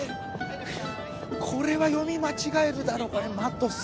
これは読み間違えるだろ「マ」と「ス」